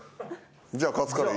じゃあカツカレー。